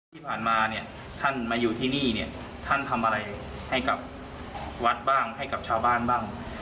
ที่ผ่านมาเนี่ยท่านมาอยู่ที่นี่เนี่ยท่านทำอะไรให้กับวัดบ้างให้กับชาวบ้านบ้าง